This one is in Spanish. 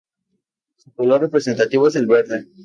Su color representativo es el verde.